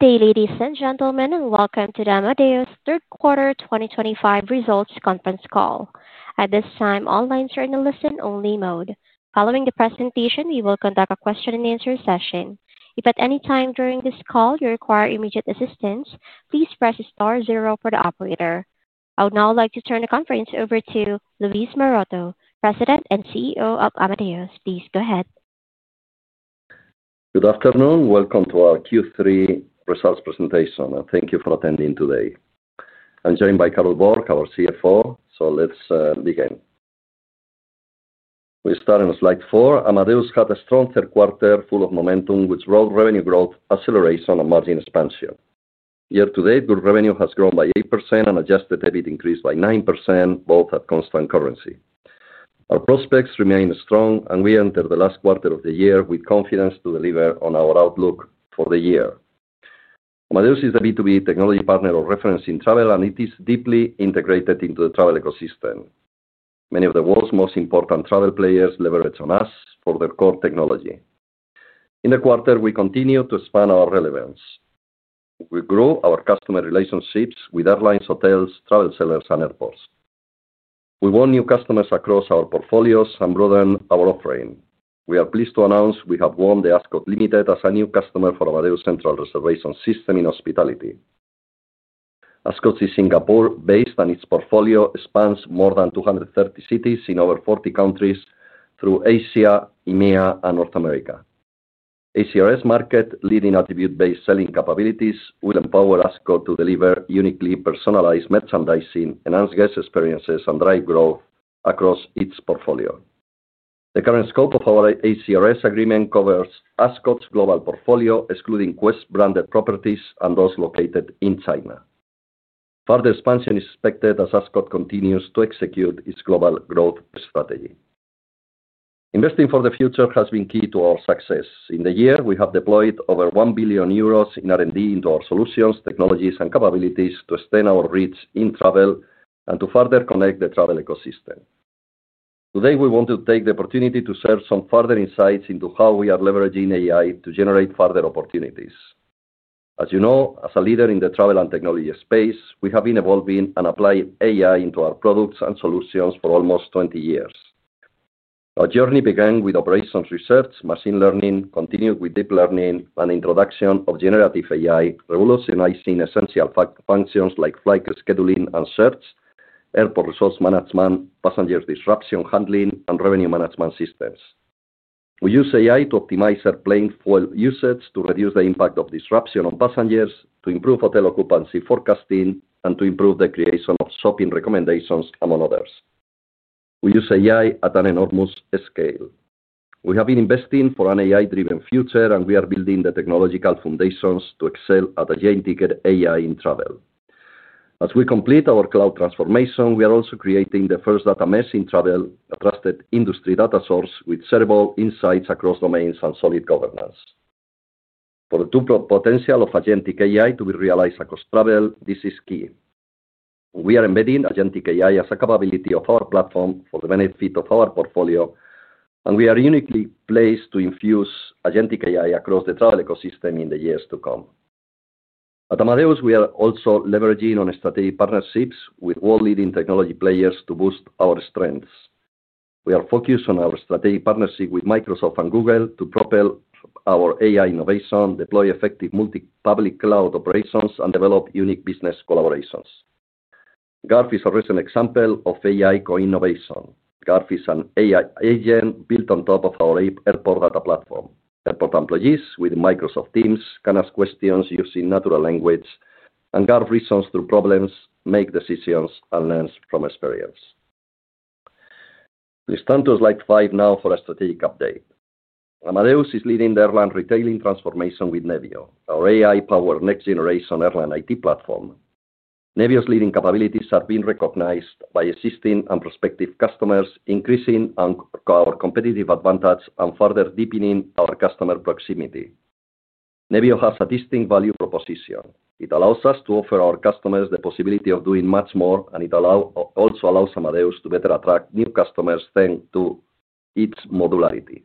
Good day, ladies and gentlemen, and welcome to the Amadeus Q3 2025 results conference call. At this time, all lines are in a listen-only mode. Following the presentation, we will conduct a question-and-answer session. If at any time during this call you require immediate assistance, please press star zero for the operator. I would now like to turn the conference over to Luis Maroto, President and CEO of Amadeus. Please go ahead. Good afternoon. Welcome to our Q3 results presentation, and thank you for attending today. I'm joined by Carol Borg, our CFO, so let's begin. We start on slide four. Amadeus had a strong third quarter full of momentum, which brought revenue growth, acceleration, and margin expansion. Year to date, good revenue has grown by 8%, and adjusted EBIT increased by 9%, both at constant currency. Our prospects remain strong, and we enter the last quarter of the year with confidence to deliver on our outlook for the year. Amadeus is a B2B technology partner or reference in travel, and it is deeply integrated into the travel ecosystem. Many of the world's most important travel players leverage on us for their core technology. In the quarter, we continue to expand our relevance. We grow our customer relationships with airlines, hotels, travel sellers, and airports. We won new customers across our portfolios and broaden our offering. We are pleased to announce we have won The Ascott Limited as a new customer for Amadeus Central Reservation System in hospitality. Ascott is Singapore-based, and its portfolio spans more than 230 cities in over 40 countries through Asia, EMEA, and North America. ACRS market-leading attribute-based selling capabilities will empower Ascott to deliver uniquely personalized merchandising, enhance guest experiences, and drive growth across its portfolio. The current scope of our ACRS agreement covers Ascott's global portfolio, excluding Quest-branded properties and those located in China. Further expansion is expected as Ascott continues to execute its global growth strategy. Investing for the future has been key to our success. In the year, we have deployed over 1 billion euros in R&D into our solutions, technologies, and capabilities to extend our reach in travel and to further connect the travel ecosystem. Today, we want to take the opportunity to share some further insights into how we are leveraging AI to generate further opportunities. As you know, as a leader in the travel and technology space, we have been evolving and applying AI into our products and solutions for almost 20 years. Our journey began with operations research, machine learning, continued with deep learning, and the introduction of generative AI, revolutionizing essential functions like flight scheduling and search, airport resource management, passenger disruption handling, and revenue management systems. We use AI to optimize airplane fuel usage to reduce the impact of disruption on passengers, to improve hotel occupancy forecasting, and to improve the creation of shopping recommendations, among others. We use AI at an enormous scale. We have been investing for an AI-driven future, and we are building the technological foundations to excel at agentic AI in travel. As we complete our cloud transformation, we are also creating the first data mesh in travel, a trusted industry data source with shareable insights across domains and solid governance. For the potential of agentic AI to be realized across travel, this is key. We are embedding agentic AI as a capability of our platform for the benefit of our portfolio, and we are uniquely placed to infuse agentic AI across the travel ecosystem in the years to come. At Amadeus, we are also leveraging on strategic partnerships with world-leading technology players to boost our strengths. We are focused on our strategic partnership with Microsoft and Google to propel our AI innovation, deploy effective multi-public cloud operations, and develop unique business collaborations. Garv is a recent example of AI co-innovation. Garv is an AI agent built on top of our airport data platform. Airport employees with Microsoft Teams can ask questions using natural language, and Garv reasons through problems, makes decisions, and learns from experience. Let's turn to slide five now for a strategic update. Amadeus is leading the airline retailing transformation with Nevio, our AI-powered next-generation airline IT platform. Nevio's leading capabilities have been recognized by existing and prospective customers, increasing our competitive advantage and further deepening our customer proximity. Nevio has a distinct value proposition. It allows us to offer our customers the possibility of doing much more, and it also allows Amadeus to better attract new customers thanks to its modularity.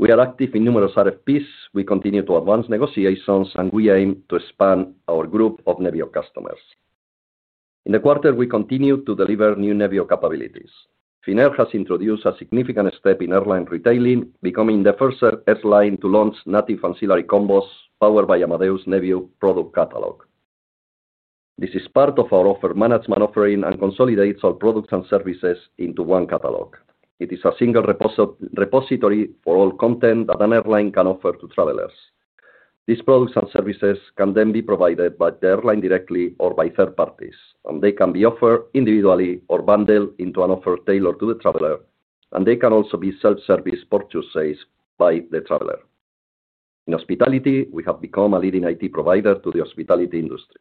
We are active in numerous RFPs. We continue to advance negotiations, and we aim to expand our group of Nevio customers. In the quarter, we continue to deliver new Nevio capabilities. Finnair has introduced a significant step in airline retailing, becoming the first airline to launch native ancillary combos powered by Amadeus Nevio product catalog. This is part of our offer management offering and consolidates our products and services into one catalog. It is a single repository for all content that an airline can offer to travelers. These products and services can then be provided by the airline directly or by third parties, and they can be offered individually or bundled into an offer tailored to the traveler, and they can also be self-service purchases by the traveler. In hospitality, we have become a leading IT provider to the hospitality industry.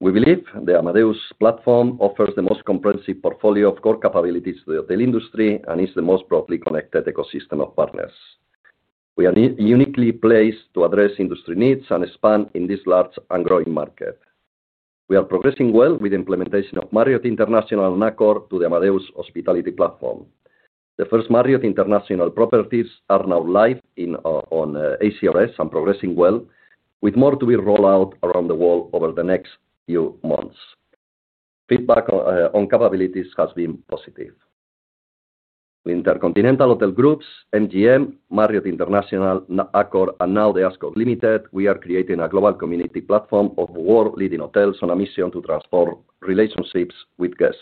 We believe the Amadeus platform offers the most comprehensive portfolio of core capabilities to the hotel industry and is the most broadly connected ecosystem of partners. We are uniquely placed to address industry needs and expand in this large and growing market. We are progressing well with the implementation of Marriott International and Accor to the Amadeus hospitality platform. The first Marriott International properties are now live on ACRS and progressing well, with more to be rolled out around the world over the next few months. Feedback on capabilities has been positive. With InterContinental Hotels Group, MGM, Marriott International, Accor, and now the Ascott Limited, we are creating a global community platform of world-leading hotels on a mission to transform relationships with guests.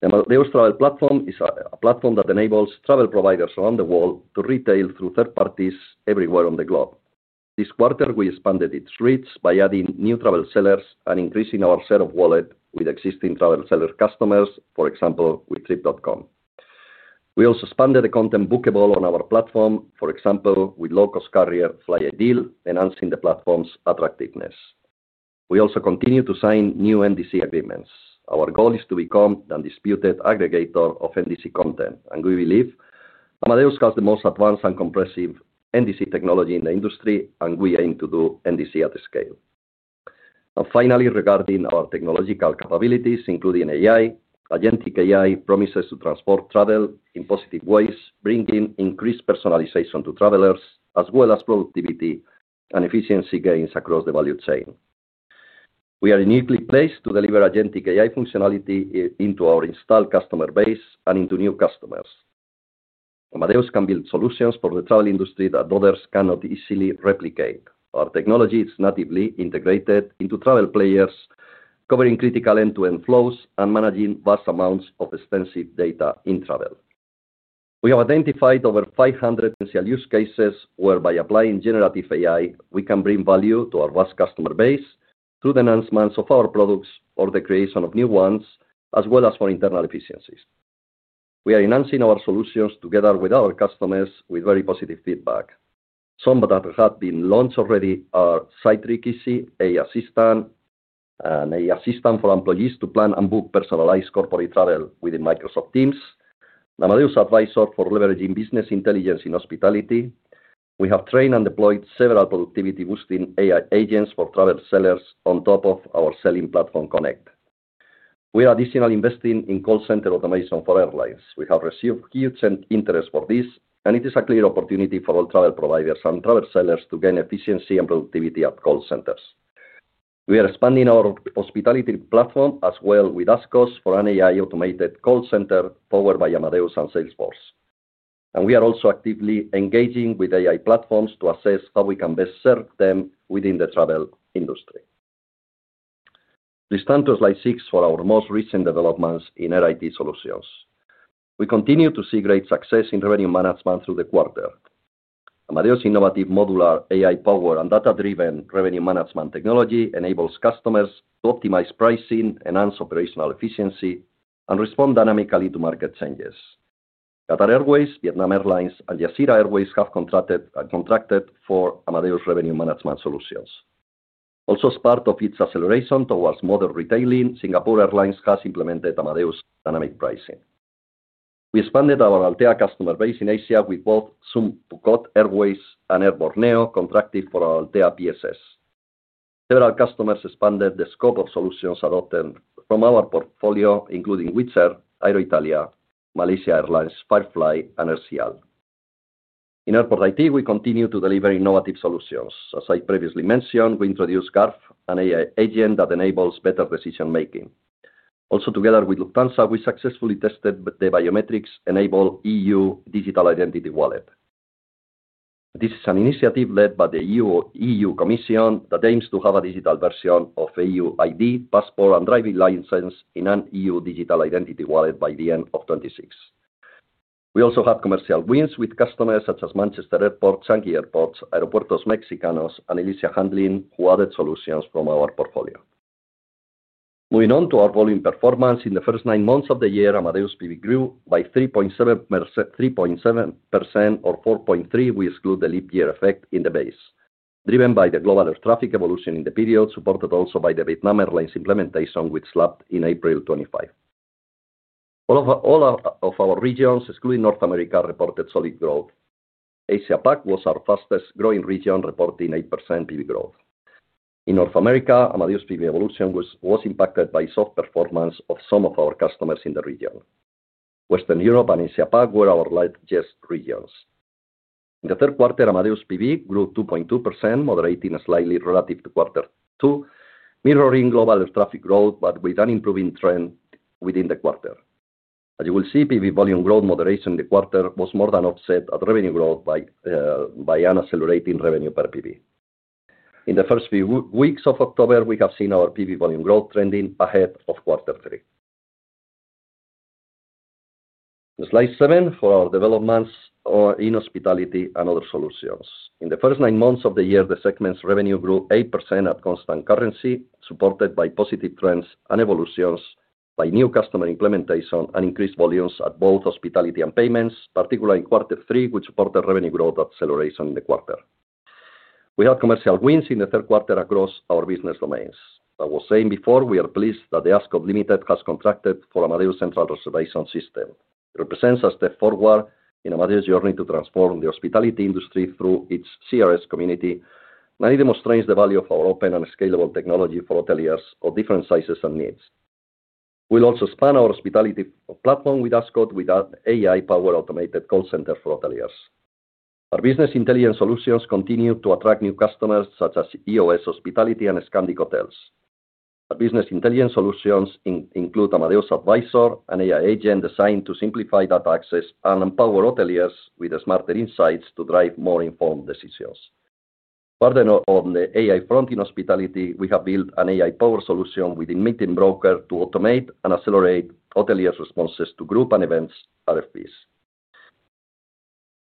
The Amadeus Travel Platform is a platform that enables travel providers around the world to retail through third parties everywhere on the globe. This quarter, we expanded its reach by adding new travel sellers and increasing our share of wallet with existing travel seller customers, for example, with Trip.com. We also expanded the content bookable on our platform, for example, with low-cost carrier Flyadeal, enhancing the platform's attractiveness. We also continue to sign new NDC agreements. Our goal is to become the undisputed aggregator of NDC content, and we believe Amadeus has the most advanced and comprehensive NDC technology in the industry, and we aim to do NDC at scale. Finally, regarding our technological capabilities, including AI, agentic AI promises to transport travel in positive ways, bringing increased personalization to travelers, as well as productivity and efficiency gains across the value chain. We are uniquely placed to deliver agentic AI functionality into our installed customer base and into new customers. Amadeus can build solutions for the travel industry that others cannot easily replicate. Our technology is natively integrated into travel players, covering critical end-to-end flows and managing vast amounts of extensive data in travel. We have identified over 500 essential use cases where, by applying generative AI, we can bring value to our vast customer base through the enhancements of our products or the creation of new ones, as well as for internal efficiencies. We are enhancing our solutions together with our customers with very positive feedback. Some that have been launched already are Cytric Easy, AI Assistant, an AI Assistant for employees to plan and book personalized corporate travel within Microsoft Teams, and Amadeus Advisor for leveraging business intelligence in hospitality. We have trained and deployed several productivity-boosting AI agents for travel sellers on top of our Selling Platform Connect. We are additionally investing in call center automation for airlines. We have received huge interest for this, and it is a clear opportunity for all travel providers and travel sellers to gain efficiency and productivity at call centers. We are expanding our hospitality platform as well with Ascott for an AI-automated call center powered by Amadeus and Salesforce. We are also actively engaging with AI platforms to assess how we can best serve them within the travel industry. Let's turn to slide six for our most recent developments in R&D solutions. We continue to see great success in revenue management through the quarter. Amadeus' innovative modular AI-powered and data-driven revenue management technology enables customers to optimize pricing, enhance operational efficiency, and respond dynamically to market changes. Qatar Airways, Vietnam Airlines, and Jazeera Airways have contracted for Amadeus' revenue management solutions. Also, as part of its acceleration towards modern retailing, Singapore Airlines has implemented Amadeus' dynamic pricing. We expanded our Altéa customer base in Asia with both SunPhuQuoc Airways and Air Borneo contracted for Altéa PSS. Several customers expanded the scope of solutions adopted from our portfolio, including Wizz Air, AeroItalia, Malaysia Airlines, FireFly, and Air Sial. In airport IT, we continue to deliver innovative solutions. As I previously mentioned, we introduced Garv, an AI agent that enables better decision-making. Also, together with Lufthansa, we successfully tested the biometrics-enabled EU digital identity wallet. This is an initiative led by the EU Commission that aims to have a digital version of EU ID, passport, and driving license in an EU digital identity wallet by the end of 2026. We also had commercial wins with customers such as Manchester Airport, Changi Airport, Aeropuertos Mexicanos, and Alyzia Handling, who added solutions from our portfolio. Moving on to our volume performance, in the first nine months of the year, Amadeus PV grew by 3.7% or 4.3%. We exclude the leap year effect in the base, driven by the global air traffic evolution in the period, supported also by the Vietnam Airlines implementation which slapped in April 2025. All of our regions, excluding North America, reported solid growth. Asia PAC was our fastest-growing region, reporting 8% PV growth. In North America, Amadeus PV evolution was impacted by soft performance of some of our customers in the region. Western Europe and Asia PAC were our largest regions. In the third quarter, Amadeus PV grew 2.2%, moderating slightly relative to quarter two, mirroring global air traffic growth but with an improving trend within the quarter. As you will see, PV volume growth moderation in the quarter was more than offset at revenue growth by an accelerating revenue per PV. In the first few weeks of October, we have seen our PV volume growth trending ahead of quarter three. Slide seven for our developments in Hospitality and Other Solutions. In the first nine months of the year, the segment's revenue grew 8% at constant currency, supported by positive trends and evolutions by new customer implementation and increased volumes at both hospitality and payments, particularly in quarter three, which supported revenue growth acceleration in the quarter. We had commercial wins in the third quarter across our business domains. I was saying before, we are pleased that The Ascott Limited has contracted for Amadeus Central Reservation System. It represents a step forward in Amadeus' journey to transform the hospitality industry through its CRS community, and it demonstrates the value of our open and scalable technology for hoteliers of different sizes and needs. We'll also expand our hospitality platform with Ascott with an AI-powered automated call center for hoteliers. Our business intelligence solutions continue to attract new customers such as EOS Hospitality and Scandic Hotels. Our business intelligence solutions include Amadeus Advisor, an AI agent designed to simplify data access and empower hoteliers with smarter insights to drive more informed decisions. Further on the AI front in hospitality, we have built an AI-powered solution within Meeting Broker to automate and accelerate hoteliers' responses to group and events RFPs.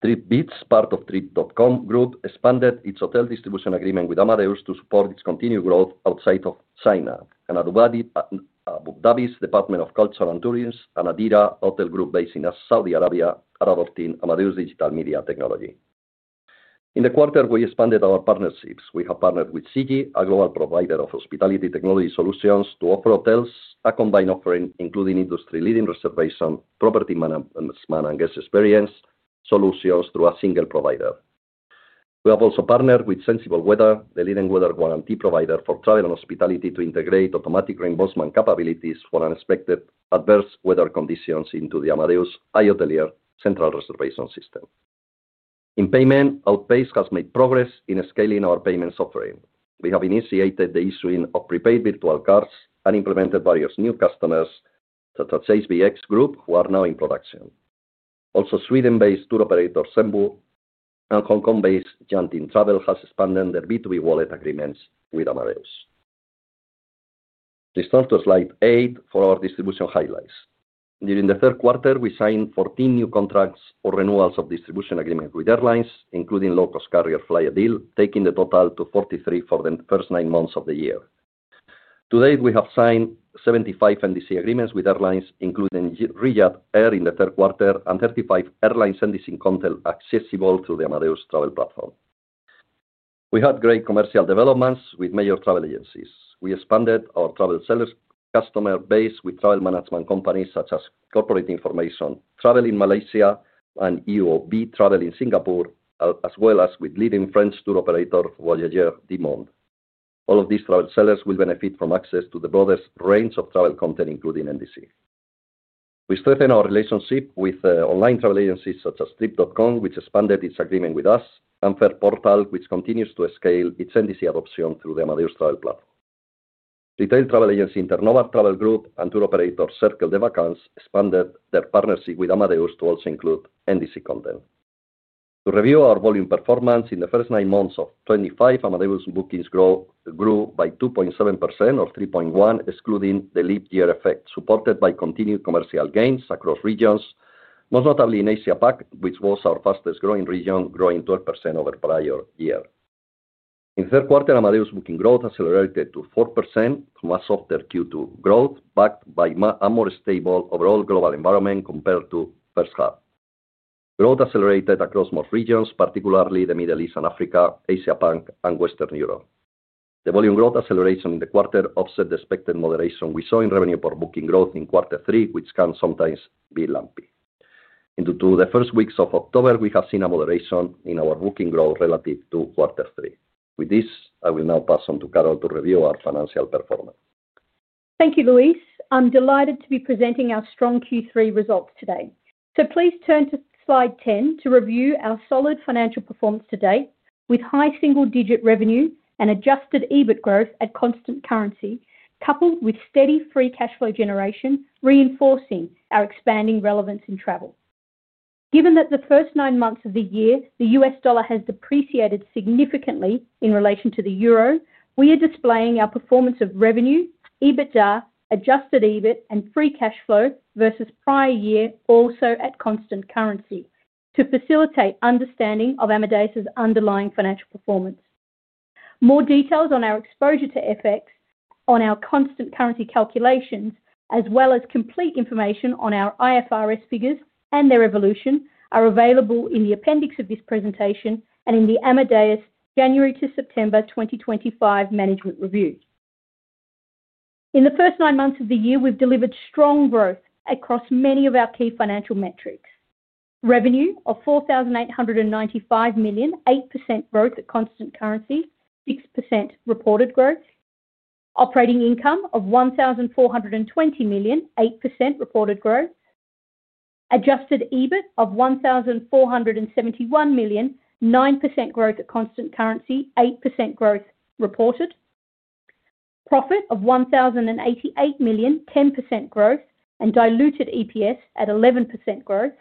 TripBeats, part of Trip.com Group, expanded its hotel distribution agreement with Amadeus to support its continued growth outside of China, and Abu Dhabi's Department of Culture and Tourism, and Adira Hotel Group based in Saudi Arabia, are adopting Amadeus Digital Media Technology. In the quarter, we expanded our partnerships. We have partnered with Shiji, a global provider of hospitality technology solutions, to offer hotels a combined offering including industry-leading reservation, property management, and guest experience solutions through a single provider. We have also partnered with Sensible Weather, the leading weather warranty provider for travel and hospitality, to integrate automatic reimbursement capabilities for unexpected adverse weather conditions into the Amadeus ACRS Central Reservation System. In payment, Outpace has made progress in scaling our payments offering. We have initiated the issuing of prepaid virtual cards and implemented various new customers such as HBX Group, who are now in production. Also, Sweden-based tour operator Sembo and Hong Kong-based Junting Travel have expanded their B2B wallet agreements with Amadeus. Let's turn to slide eight for our distribution highlights. During the third quarter, we signed 14 new contracts or renewals of distribution agreements with airlines, including low-cost carrier Flyadeal, taking the total to 43 for the first nine months of the year. To date, we have signed 75 NDC agreements with airlines, including Riyadh Air in the third quarter, and 35 airline NDC content accessible through the Amadeus Travel Platform. We had great commercial developments with major travel agencies. We expanded our travel seller customer base with travel management companies such as Corporate Information Travel in Malaysia, and UOB Travel in Singapore, as well as with leading French tour operator Voyageurs du Monde. All of these travel sellers will benefit from access to the broader range of travel content, including NDC. We strengthened our relationship with online travel agencies such as Trip.com, which expanded its agreement with us, and Fareportal, which continues to scale its NDC adoption through the Amadeus Travel Platform. Retail travel agency Internova Travel Group and tour operator Cercle de Vacances expanded their partnership with Amadeus to also include NDC content. To review our volume performance, in the first nine months of 2025, Amadeus bookings grew by 2.7% or 3.1%, excluding the leap year effect, supported by continued commercial gains across regions, most notably in Asia PAC, which was our fastest-growing region, growing 12% over the prior year. In the third quarter, Amadeus booking growth accelerated to 4% from a softer Q2 growth, backed by a more stable overall global environment compared to the first half. Growth accelerated across most regions, particularly the Middle East and Africa, Asia PAC, and Western Europe. The volume growth acceleration in the quarter offset the expected moderation we saw in revenue per booking growth in quarter three, which can sometimes be lumpy. Into the first weeks of October, we have seen a moderation in our booking growth relative to quarter three. With this, I will now pass on to Carol to review our financial performance. Thank you, Luis. I'm delighted to be presenting our strong Q3 results today. Please turn to slide 10 to review our solid financial performance to date with high single-digit revenue and adjusted EBIT growth at constant currency, coupled with steady free cash flow generation, reinforcing our expanding relevance in travel. Given that the first nine months of the year, the US dollar has depreciated significantly in relation to the euro, we are displaying our performance of revenue, EBITDA, adjusted EBIT, and free cash flow versus prior year, also at constant currency, to facilitate understanding of Amadeus' underlying financial performance. More details on our exposure to FX on our constant currency calculations, as well as complete information on our IFRS figures and their evolution, are available in the appendix of this presentation and in the Amadeus January to September 2025 management review. In the first nine months of the year, we've delivered strong growth across many of our key financial metrics: revenue of 4,895 million, 8% growth at constant currency, 6% reported growth. Operating income of 1,420 million, 8% reported growth. Adjusted EBIT of 1,471 million, 9% growth at constant currency, 8% growth reported. Profit of 1,088 million, 10% growth, and diluted EPS at 11% growth.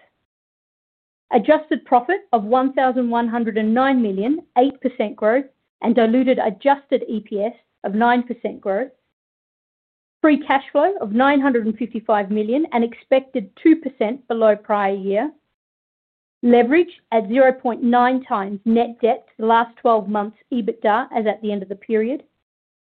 Adjusted profit of 1,109 million, 8% growth, and diluted adjusted EPS of 9% growth. Free cash flow of 955 million and expected 2% below prior year. Leverage at 0.9x net debt to the last 12 months EBITDA as at the end of the period.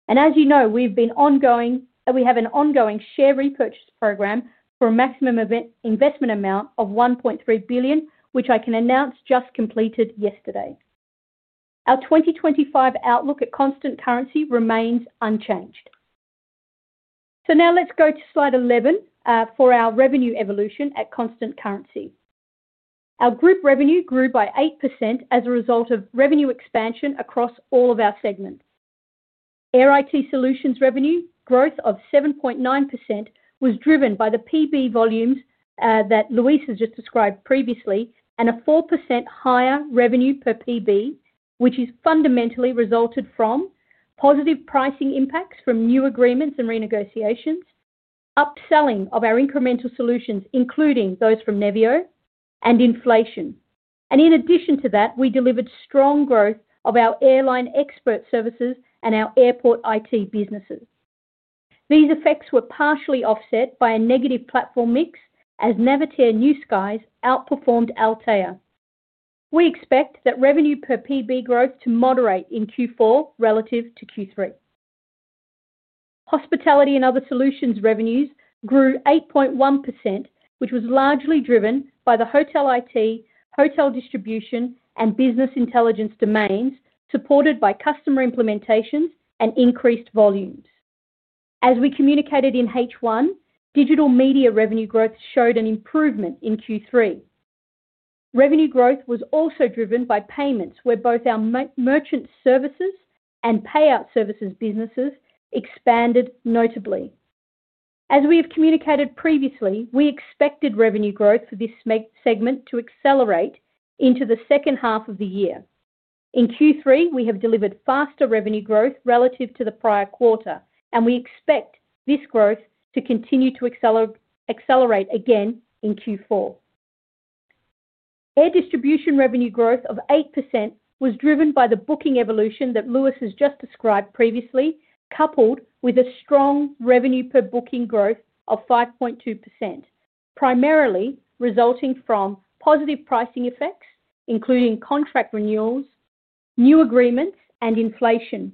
As you know, we have an ongoing share repurchase program for a maximum investment amount of 1.3 billion, which I can announce just completed yesterday. Our 2025 outlook at constant currency remains unchanged. Let's go to slide 11 for our revenue evolution at constant currency. Our group revenue grew by 8% as a result of revenue expansion across all of our segments. Air IT Solutions revenue, growth of 7.9%, was driven by the PB volumes that Luis has just described previously and a 4% higher revenue per PB, which has fundamentally resulted from positive pricing impacts from new agreements and renegotiations, upselling of our incremental solutions, including those from Nevio, and inflation. In addition to that, we delivered strong growth of our airline expert services and our airport IT businesses. These effects were partially offset by a negative platform mix, as Navitaire New Skies outperformed Altéa. We expect that revenue per PB growth to moderate in Q4 relative to Q3. Hospitality and Other Solutions revenues grew 8.1%, which was largely driven by the hotel IT, hotel distribution, and business intelligence domains supported by customer implementations and increased volumes. As we communicated in H1, digital media revenue growth showed an improvement in Q3. Revenue growth was also driven by payments, where both our merchant services and payout services businesses expanded notably. As we have communicated previously, we expected revenue growth for this segment to accelerate into the second half of the year. In Q3, we have delivered faster revenue growth relative to the prior quarter, and we expect this growth to continue to accelerate again in Q4. Air Distribution revenue growth of 8% was driven by the booking evolution that Luis has just described previously, coupled with a strong revenue per booking growth of 5.2%, primarily resulting from positive pricing effects, including contract renewals, new agreements, and inflation.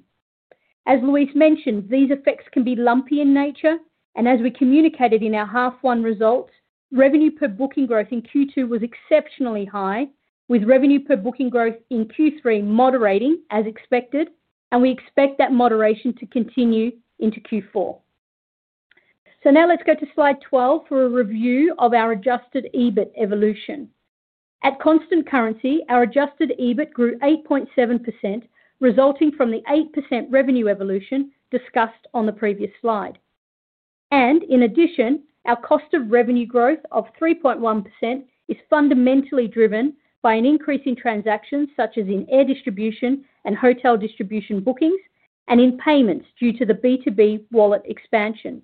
As Luis mentioned, these effects can be lumpy in nature, and as we communicated in our half one results, revenue per booking growth in Q2 was exceptionally high, with revenue per booking growth in Q3 moderating as expected, and we expect that moderation to continue into Q4. Now let's go to slide 12 for a review of our adjusted EBIT evolution. At constant currency, our adjusted EBIT grew 8.7%, resulting from the 8% revenue evolution discussed on the previous slide. In addition, our cost of revenue growth of 3.1% is fundamentally driven by an increase in transactions, such as in air distribution and hotel distribution bookings, and in payments due to the B2B wallet expansion.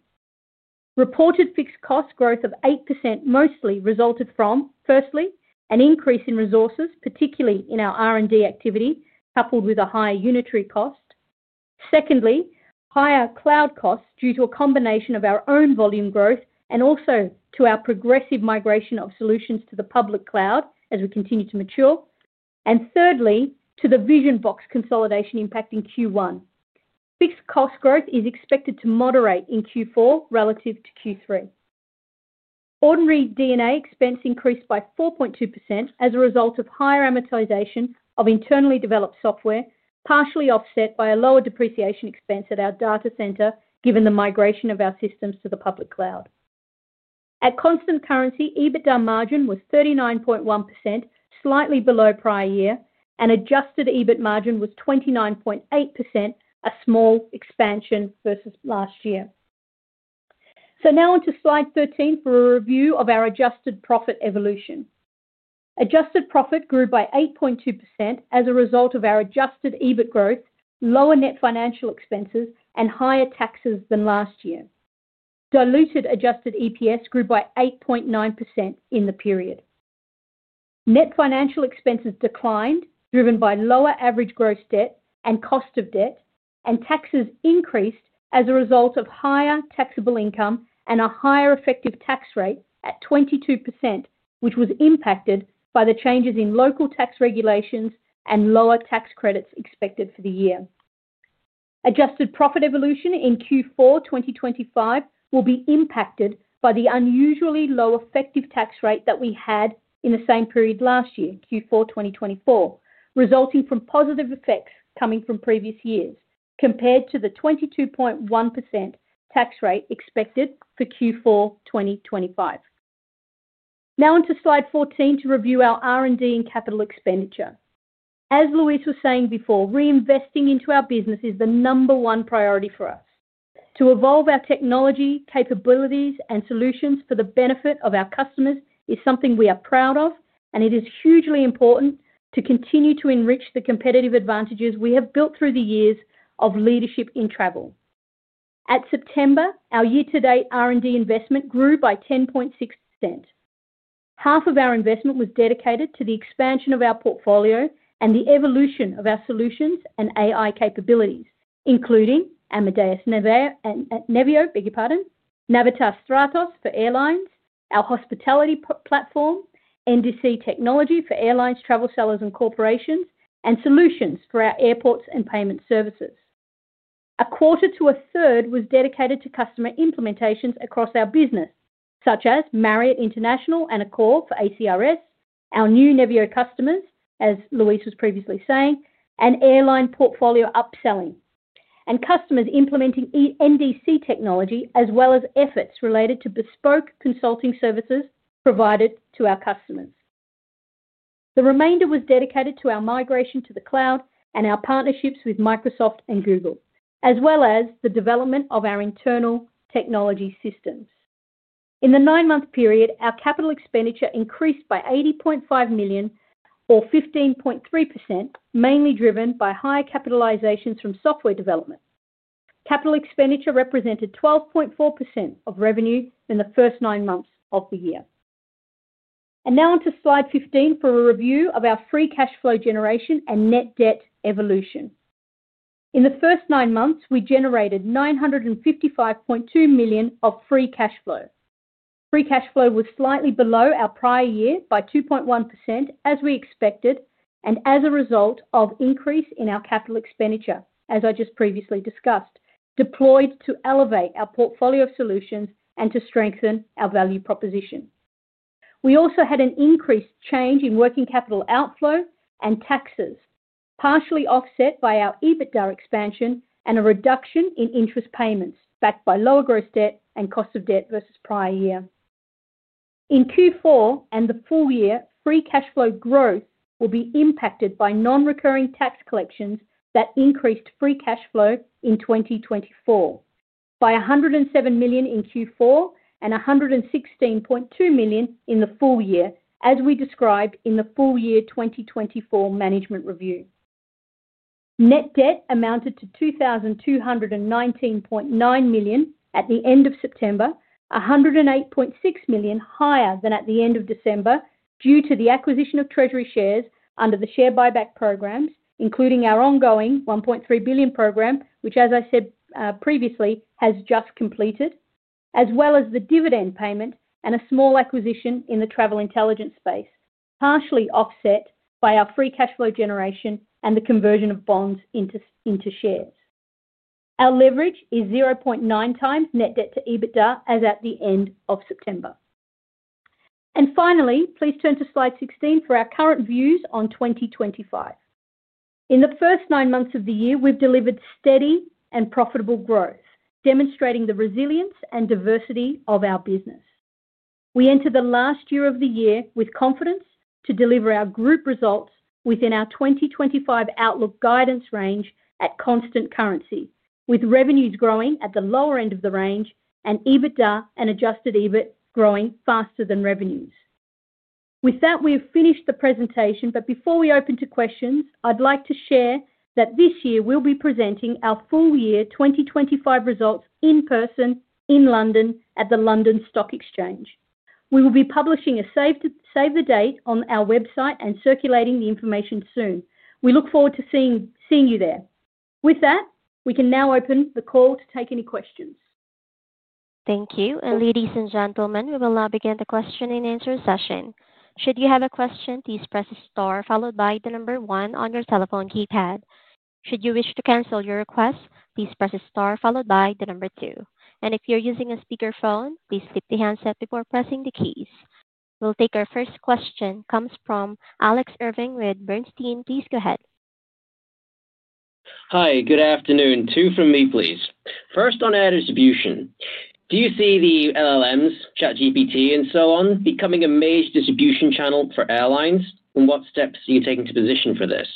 Reported fixed cost growth of 8% mostly resulted from, firstly, an increase in resources, particularly in our R&D activity, coupled with a higher unitary cost. Secondly, higher cloud costs due to a combination of our own volume growth and also to our progressive migration of solutions to the public cloud as we continue to mature. Thirdly, to the Vision-Box consolidation impacting Q1. Fixed cost growth is expected to moderate in Q4 relative to Q3. Ordinary D&A expense increased by 4.2% as a result of higher amortization of internally developed software, partially offset by a lower depreciation expense at our data center given the migration of our systems to the public cloud. At constant currency, EBITDA margin was 39.1%, slightly below prior year, and adjusted EBIT margin was 29.8%, a small expansion versus last year. Now on to slide 13 for a review of our adjusted profit evolution. Adjusted profit grew by 8.2% as a result of our adjusted EBIT growth, lower net financial expenses, and higher taxes than last year. Diluted adjusted EPS grew by 8.9% in the period. Net financial expenses declined, driven by lower average gross debt and cost of debt, and taxes increased as a result of higher taxable income and a higher effective tax rate at 22%, which was impacted by the changes in local tax regulations and lower tax credits expected for the year. Adjusted profit evolution in Q4 2025 will be impacted by the unusually low effective tax rate that we had in the same period last year, Q4 2024, resulting from positive effects coming from previous years compared to the 22.1% tax rate expected for Q4 2025. Now on to slide 14 to review our R&D and capital expenditure. As Luis was saying before, reinvesting into our business is the number one priority for us. To evolve our technology, capabilities, and solutions for the benefit of our customers is something we are proud of, and it is hugely important to continue to enrich the competitive advantages we have built through the years of leadership in travel. At September, our year-to-date R&D investment grew by 10.6%. Half of our investment was dedicated to the expansion of our portfolio and the evolution of our solutions and AI capabilities, including Amadeus Nevio, Navitaire Stratos for airlines, our hospitality platform, NDC technology for airlines, travel sellers, and corporations, and solutions for our airports and payment services. A quarter to a third was dedicated to customer implementations across our business, such as Marriott International and Accor for ACRS, our new Nevio customers, as Luis was previously saying, and airline portfolio upselling, and customers implementing NDC technology, as well as efforts related to bespoke consulting services provided to our customers. The remainder was dedicated to our migration to the cloud and our partnerships with Microsoft and Google, as well as the development of our internal technology systems. In the nine-month period, our capital expenditure increased by 80.5 million or 15.3%, mainly driven by higher capitalizations from software development. Capital expenditure represented 12.4% of revenue in the first nine months of the year. Now on to slide 15 for a review of our free cash flow generation and net debt evolution. In the first nine months, we generated 955.2 million of free cash flow. Free cash flow was slightly below our prior year by 2.1%, as we expected, and as a result of increase in our capital expenditure, as I just previously discussed, deployed to elevate our portfolio of solutions and to strengthen our value proposition. We also had an increased change in working capital outflow and taxes, partially offset by our EBITDA expansion and a reduction in interest payments backed by lower gross debt and cost of debt versus prior year. In Q4 and the full year, free cash flow growth will be impacted by non-recurring tax collections that increased free cash flow in 2024 by 107 million in Q4 and 116.2 million in the full year, as we described in the full year 2024 management review. Net debt amounted to 2,219.9 million at the end of September, 108.6 million higher than at the end of December due to the acquisition of treasury shares under the share buyback programs, including our ongoing 1.3 billion program, which, as I said previously, has just completed, as well as the dividend payment and a small acquisition in the travel intelligence space, partially offset by our free cash flow generation and the conversion of bonds into shares. Our leverage is 0.9x net debt to EBITDA as at the end of September. Finally, please turn to slide 16 for our current views on 2025. In the first nine months of the year, we've delivered steady and profitable growth, demonstrating the resilience and diversity of our business. We enter the last year of the year with confidence to deliver our group results within our 2025 outlook guidance range at constant currency, with revenues growing at the lower end of the range and EBITDA and adjusted EBIT growing faster than revenues. With that, we have finished the presentation, but before we open to questions, I'd like to share that this year we'll be presenting our full year 2025 results in person in London at the London Stock Exchange. We will be publishing a save the date on our website and circulating the information soon. We look forward to seeing you there. With that, we can now open the call to take any questions. Thank you. Ladies and gentlemen, we will now begin the question and answer session. Should you have a question, please press star followed by the number one on your telephone keypad. Should you wish to cancel your request, please press star followed by the number two. If you're using a speakerphone, please flip the handset before pressing the keys. We'll take our first question, comes from Alex Irving with Bernstein. Please go ahead. Hi, good afternoon. Two from me, please. First, on air distribution, do you see the LLMs, ChatGPT, and so on becoming a major distribution channel for airlines? What steps are you taking to position for this?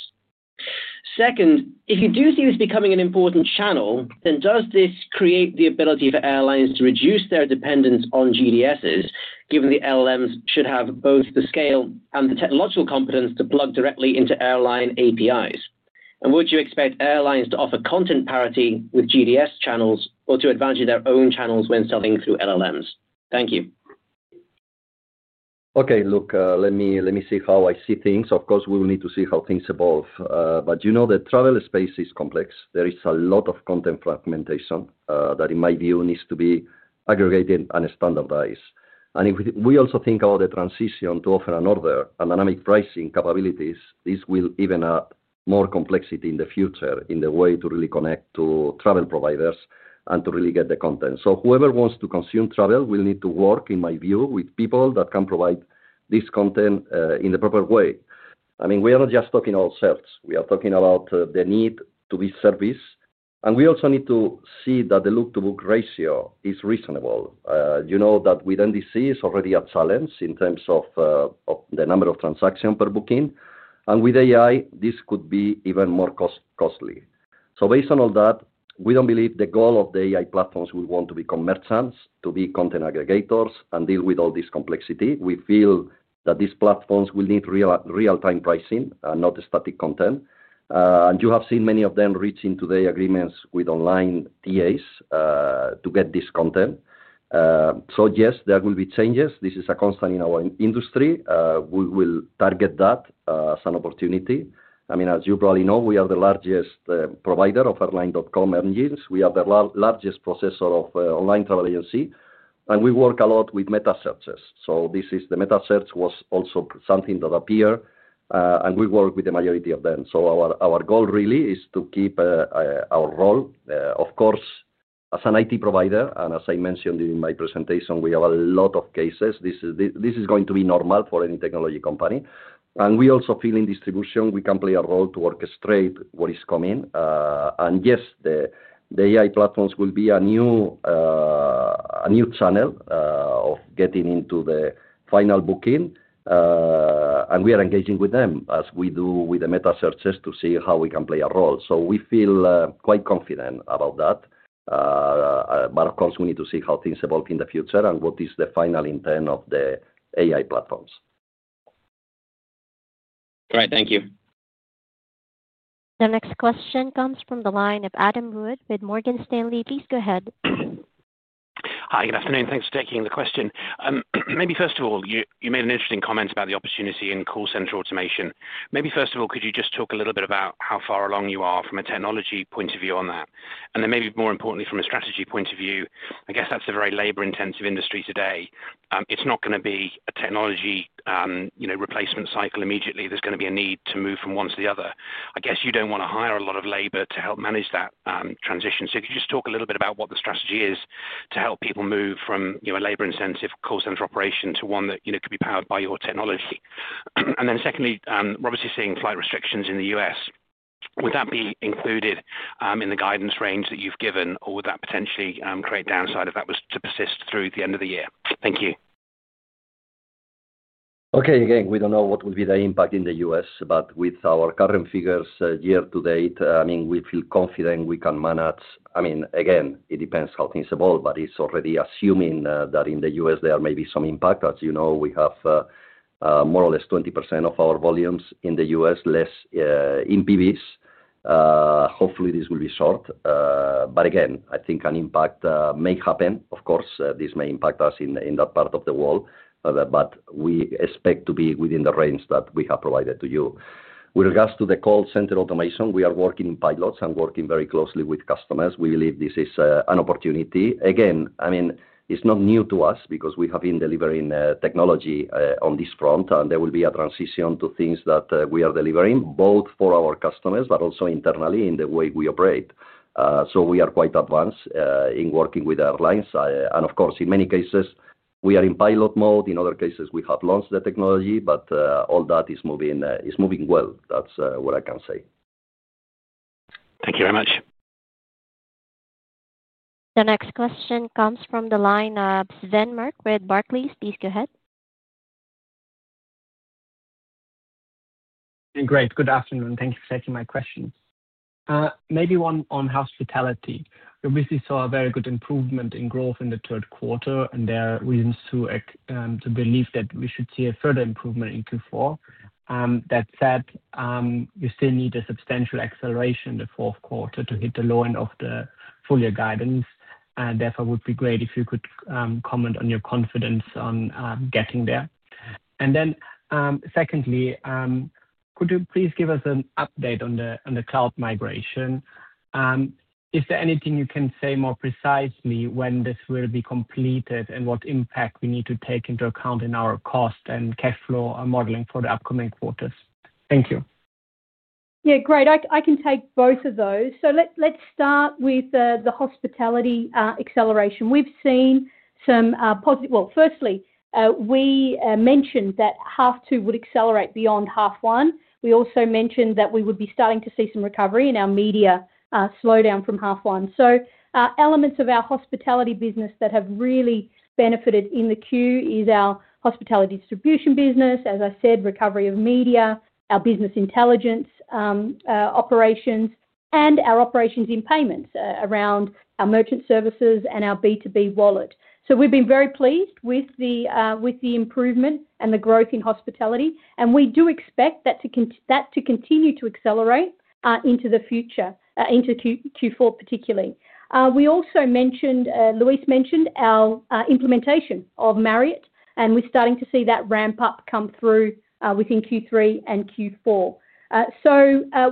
Second, if you do see this becoming an important channel, does this create the ability for airlines to reduce their dependence on GDSs, given the LLMs should have both the scale and the technological competence to plug directly into airline APIs? Would you expect airlines to offer content parity with GDS channels or to advantage their own channels when selling through LLMs?` Thank you. Okay, look, let me see how I see things. Of course, we will need to see how things evolve. You know that travel space is complex. There is a lot of content fragmentation that, in my view, needs to be aggregated and standardized. If we also think about the transition to offer and order and dynamic pricing capabilities, this will even add more complexity in the future in the way to really connect to travel providers and to really get the content. Whoever wants to consume travel will need to work, in my view, with people that can provide this content in the proper way. I mean, we are not just talking ourselves. We are talking about the need to be serviced. We also need to see that the look-to-book ratio is reasonable. You know that with NDC, it's already a challenge in terms of the number of transactions per booking. And with AI, this could be even more costly. Based on all that, we don't believe the goal of the AI platforms will want to become merchants, to be content aggregators, and deal with all this complexity. We feel that these platforms will need real-time pricing and not static content. You have seen many of them reaching today agreements with online TAs to get this content. Yes, there will be changes. This is a constant in our industry. We will target that as an opportunity. I mean, as you probably know, we are the largest provider of airline.com engines. We are the largest processor of online travel agency. We work a lot with meta searches. This meta search was also something that appeared, and we work with the majority of them. Our goal really is to keep our role, of course, as an IT provider. As I mentioned in my presentation, we have a lot of cases. This is going to be normal for any technology company. We also feel in distribution we can play a role to orchestrate what is coming. Yes, the AI platforms will be a new channel of getting into the final booking. We are engaging with them as we do with the meta searches to see how we can play a role. We feel quite confident about that. Of course, we need to see how things evolve in the future and what is the final intent of the AI platforms. All right, thank you. The next question comes from the line of Adam Wood with Morgan Stanley. Please go ahead. Hi, good afternoon. Thanks for taking the question. Maybe first of all, you made an interesting comment about the opportunity in call center automation. Maybe first of all, could you just talk a little bit about how far along you are from a technology point of view on that? And then maybe more importantly, from a strategy point of view, I guess that's a very labor-intensive industry today. It's not going to be a technology replacement cycle immediately. There's going to be a need to move from one to the other. I guess you do not want to hire a lot of labor to help manage that transition. Could you just talk a little bit about what the strategy is to help people move from a labor-intensive call center operation to one that could be powered by your technology? Then secondly, we're obviously seeing flight restrictions in the U.S. Would that be included in the guidance range that you've given, or would that potentially create downside if that was to persist through the end of the year? Thank you. Okay, again, we don't know what will be the impact in the U.S., but with our current figures year to date, I mean, we feel confident we can manage. I mean, again, it depends how things evolve, but it's already assuming that in the U.S., there may be some impact. As you know, we have more or less 20% of our volumes in the U.S., less in BBs. Hopefully, this will be short. Again, I think an impact may happen. Of course, this may impact us in that part of the world, but we expect to be within the range that we have provided to you. With regards to the call center automation, we are working in pilots and working very closely with customers. We believe this is an opportunity. Again, I mean, it's not new to us because we have been delivering technology on this front, and there will be a transition to things that we are delivering both for our customers, but also internally in the way we operate. We are quite advanced in working with airlines. In many cases, we are in pilot mode. In other cases, we have launched the technology, but all that is moving well. That's what I can say. Thank you very much. The next question comes from the line of Sven Merkt with Barclays. Please go ahead. Great. Good afternoon. Thank you for taking my questions. Maybe one on hospitality. We obviously saw a very good improvement in growth in the third quarter, and there are reasons to believe that we should see a further improvement in Q4. That said, we still need a substantial acceleration in the fourth quarter to hit the low end of the full year guidance. Therefore, it would be great if you could comment on your confidence on getting there. And then secondly, could you please give us an update on the cloud migration? Is there anything you can say more precisely when this will be completed and what impact we need to take into account in our cost and cash flow modeling for the upcoming quarters? Thank you. Yeah, great. I can take both of those. Let's start with the hospitality acceleration. We've seen some positive. Firstly, we mentioned that half two would accelerate beyond half one. We also mentioned that we would be starting to see some recovery in our media slowdown from half one. Elements of our hospitality business that have really benefited in the quarter are our hospitality distribution business, as I said, recovery of media, our business intelligence operations, and our operations in payments around our merchant services and our B2B wallet. We've been very pleased with the improvement and the growth in hospitality. We do expect that to continue to accelerate into the future, into Q4 particularly. We also mentioned, Luis mentioned our implementation of Marriott, and we're starting to see that ramp up come through within Q3 and Q4.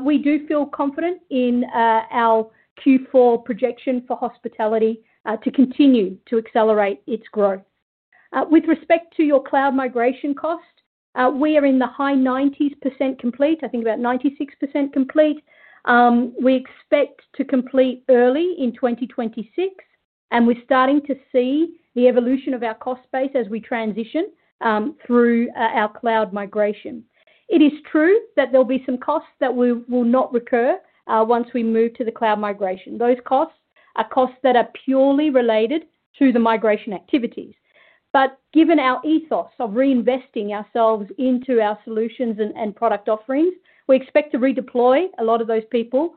We do feel confident in our Q4 projection for hospitality to continue to accelerate its growth. With respect to your cloud migration cost, we are in the high 90% complete. I think about 96% complete. We expect to complete early in 2026, and we're starting to see the evolution of our cost base as we transition through our cloud migration. It is true that there will be some costs that will not recur once we move to the cloud migration. Those costs are costs that are purely related to the migration activities. Given our ethos of reinvesting ourselves into our solutions and product offerings, we expect to redeploy a lot of those people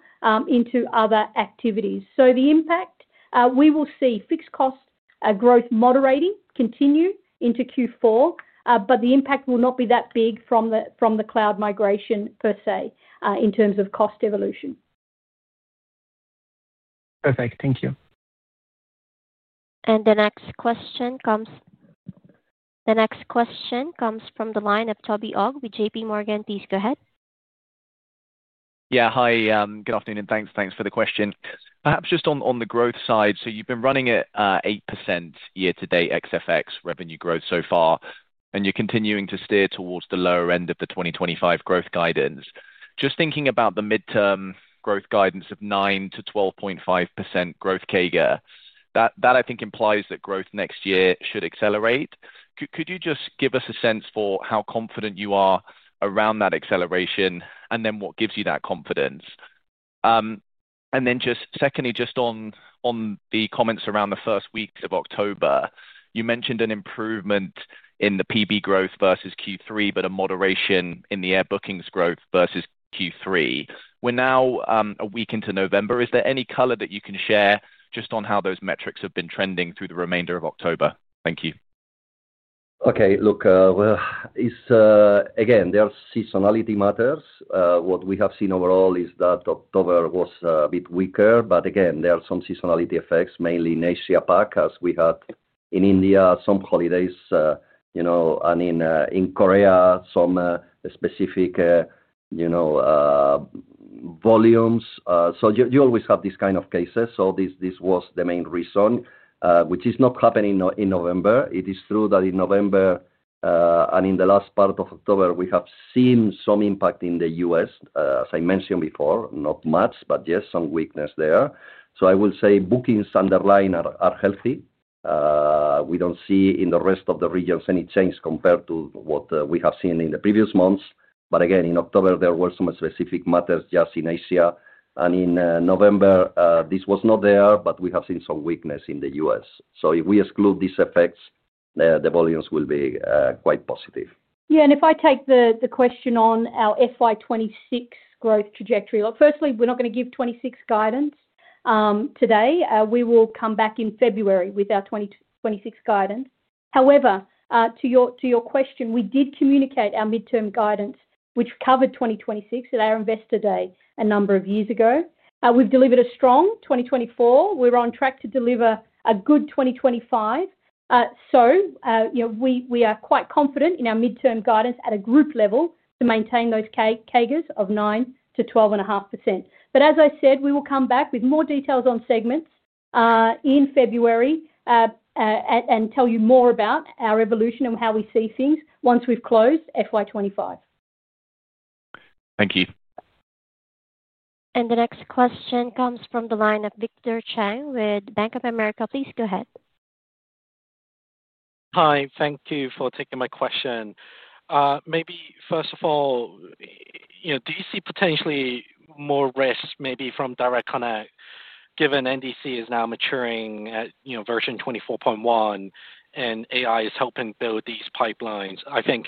into other activities. The impact, we will see fixed cost growth moderating continue into Q4, but the impact will not be that big from the cloud migration per se in terms of cost evolution. Perfect. Thank you. The next question comes from the line of Toby Ogg with JPMorgan. Please go ahead. Yeah, hi. Good afternoon and thanks. Thanks for the question. Perhaps just on the growth side, you've been running at 8% year-to-date XFX revenue growth so far, and you're continuing to steer towards the lower end of the 2025 growth guidance. Just thinking about the midterm growth guidance of 9%-12.5% growth CAGR, that I think implies that growth next year should accelerate. Could you just give us a sense for how confident you are around that acceleration and then what gives you that confidence? Just secondly, just on the comments around the first weeks of October, you mentioned an improvement in the PB growth versus Q3, but a moderation in the air bookings growth versus Q3. We're now a week into November. Is there any color that you can share just on how those metrics have been trending through the remainder of October? Thank you. Okay, look, again, there are seasonality matters. What we have seen overall is that October was a bit weaker, but again, there are some seasonality effects, mainly in Asia PAC, as we had in India, some holidays, and in Korea, some specific volumes. You always have these kind of cases. This was the main reason, which is not happening in November. It is true that in November and in the last part of October, we have seen some impact in the U.S., as I mentioned before, not much, but yes, some weakness there. I will say bookings underline are healthy. We do not see in the rest of the regions any change compared to what we have seen in the previous months. Again, in October, there were some specific matters just in Asia. In November, this was not there, but we have seen some weakness in the U.S. If we exclude these effects, the volumes will be quite positive. Yeah, and if I take the question on our FY2026 growth trajectory, look, firstly, we are not going to give 2026 guidance today. We will come back in February with our 2026 guidance. However, to your question, we did communicate our midterm guidance, which covered 2026 at our investor day a number of years ago. We have delivered a strong 2024. We are on track to deliver a good 2025. We are quite confident in our midterm guidance at a group level to maintain those CAGRs of 9%-12.5%. As I said, we will come back with more details on segments in February and tell you more about our evolution and how we see things once we've closed FY2025. Thank you. The next question comes from the line of Victor Cheng with Bank of America. Please go ahead. Hi, thank you for taking my question. Maybe first of all, do you see potentially more risk maybe from direct connect given NDC is now maturing at version 24.1 and AI is helping build these pipelines? I think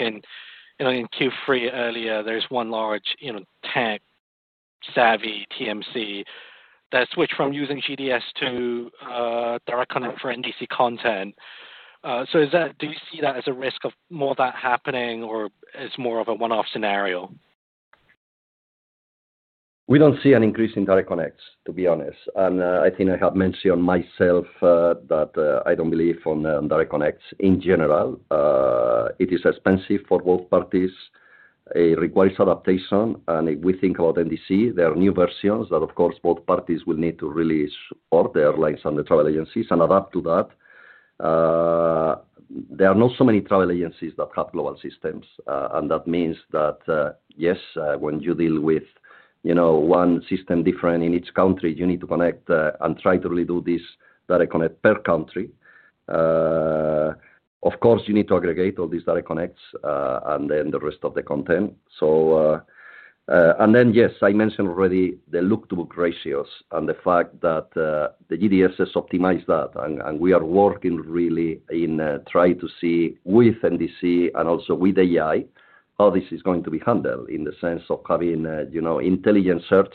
in Q3 earlier, there's one large tech-savvy TMC that switched from using GDS to direct connect for NDC content. Do you see that as a risk of more of that happening or it's more of a one-off scenario? We don't see an increase in direct connects, to be honest. I think I have mentioned myself that I do not believe on direct connects in general. It is expensive for both parties. It requires adaptation. If we think about NDC, there are new versions that, of course, both parties will need to really support the airlines and the travel agencies and adapt to that. There are not so many travel agencies that have global systems. That means that, yes, when you deal with one system different in each country, you need to connect and try to really do this direct connect per country. Of course, you need to aggregate all these direct connects and then the rest of the content. I mentioned already the look-to-book ratios and the fact that the GDS has optimized that. We are working really in trying to see with NDC and also with AI how this is going to be handled in the sense of having intelligent search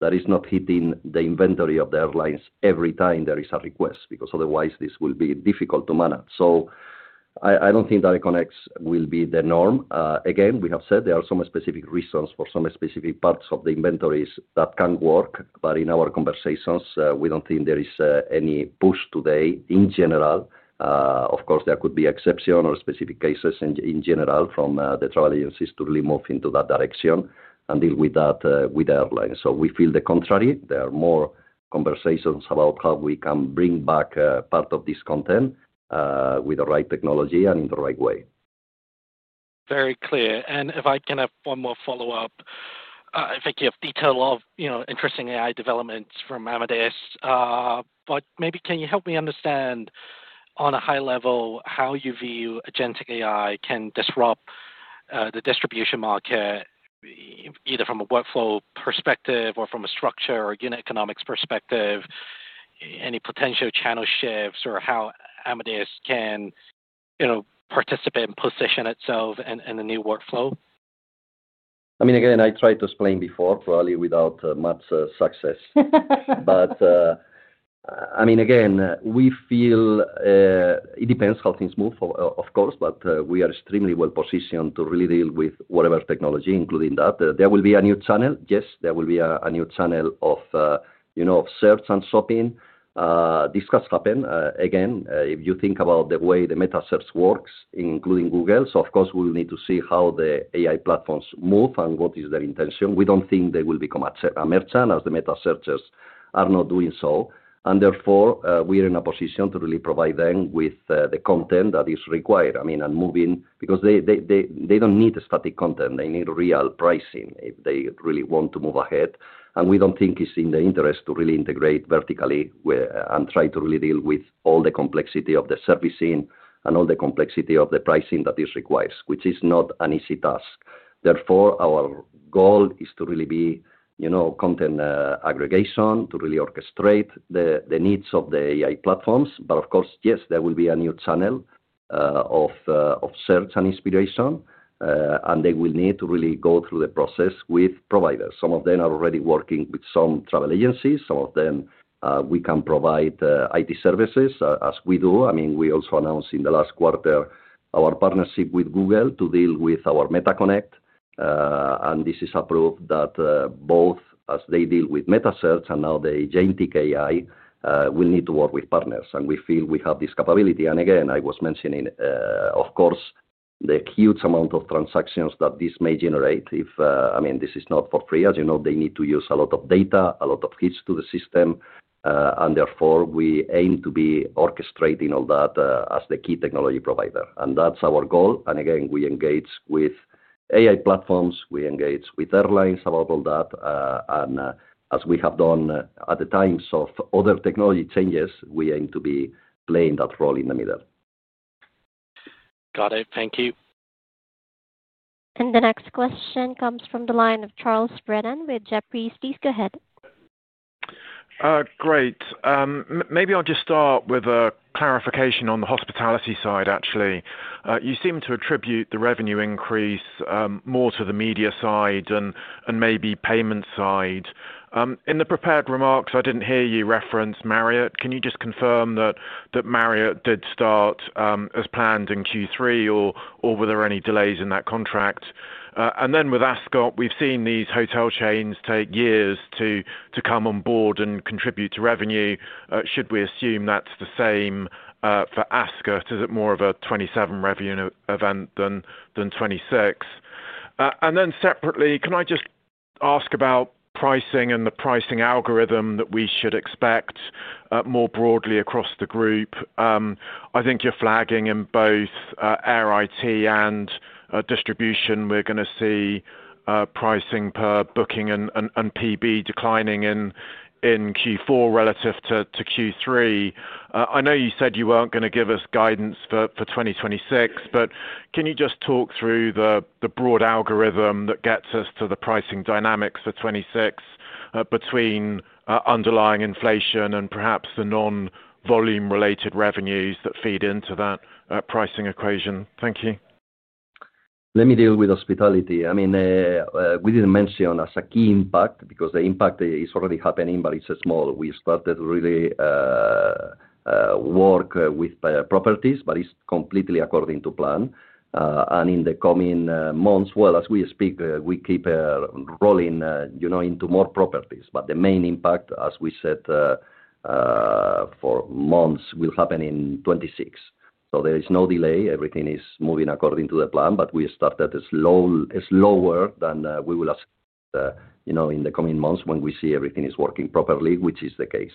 that is not hitting the inventory of the airlines every time there is a request because otherwise this will be difficult to manage. I do not think direct connects will be the norm. Again, we have said there are some specific reasons for some specific parts of the inventories that can work. In our conversations, we do not think there is any push today in general. Of course, there could be exceptions or specific cases in general from the travel agencies to really move into that direction and deal with that with the airlines. We feel the contrary. There are more conversations about how we can bring back part of this content with the right technology and in the right way. Very clear. If I can have one more follow-up, I think you have detail of interesting AI developments from Amadeus. Maybe can you help me understand on a high level how you view agentic AI can disrupt the distribution market either from a workflow perspective or from a structure or unit economics perspective, any potential channel shifts, or how Amadeus can participate and position itself in the new workflow? I mean, again, I tried to explain before probably without much success. I mean, again, we feel it depends how things move, of course, but we are extremely well-positioned to really deal with whatever technology, including that. There will be a new channel. Yes, there will be a new channel of search and shopping. This has happened. Again, if you think about the way the meta search works, including Google, of course, we will need to see how the AI platforms move and what is their intention. We do not think they will become a merchant as the meta searchers are not doing so. Therefore, we are in a position to really provide them with the content that is required, I mean, and moving because they do not need static content. They need real pricing if they really want to move ahead. We do not think it is in the interest to really integrate vertically and try to really deal with all the complexity of the servicing and all the complexity of the pricing that is required, which is not an easy task. Therefore, our goal is to really be content aggregation to really orchestrate the needs of the AI platforms. Of course, yes, there will be a new channel of search and inspiration, and they will need to really go through the process with providers. Some of them are already working with some travel agencies. Some of them we can provide IT services as we do. I mean, we also announced in the last quarter our partnership with Google to deal with our MetaConnect. This is a proof that both as they deal with meta search and now the agentic AI, we need to work with partners. We feel we have this capability. Again, I was mentioning, of course, the huge amount of transactions that this may generate. I mean, this is not for free. As you know, they need to use a lot of data, a lot of hits to the system. Therefore, we aim to be orchestrating all that as the key technology provider. That is our goal. Again, we engage with AI platforms. We engage with airlines about all that. As we have done at the times of other technology changes, we aim to be playing that role in the middle. Got it. Thank you. The next question comes from the line of Charles Brennan with Jefferies. Please go ahead. Great. Maybe I'll just start with a clarification on the hospitality side, actually. You seem to attribute the revenue increase more to the media side and maybe payment side. In the prepared remarks, I did not hear you reference Marriott. Can you just confirm that Marriott did start as planned in Q3, or were there any delays in that contract? With Ascott, we've seen these hotel chains take years to come on board and contribute to revenue. Should we assume that's the same for Ascott? Is it more of a 2027 revenue event than 2026? Separately, can I just ask about pricing and the pricing algorithm that we should expect more broadly across the group? I think you're flagging in both Air IT and Distribution. We're going to see pricing per booking and PB declining in Q4 relative to Q3. I know you said you weren't going to give us guidance for 2026, but can you just talk through the broad algorithm that gets us to the pricing dynamics for 2026 between underlying inflation and perhaps the non-volume related revenues that feed into that pricing equation? Thank you. Let me deal with Hospitality. I mean, we did not mention as a key impact because the impact is already happening, but it is small. We started to really work with properties, but it is completely according to plan. In the coming months, as we speak, we keep rolling into more properties. The main impact, as we said for months, will happen in 2026. There is no delay. Everything is moving according to the plan, but we started slower than we will assume in the coming months when we see everything is working properly, which is the case.